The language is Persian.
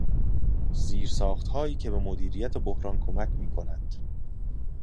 زیرساخت هایی که به مدیریت بحران کمک می کند.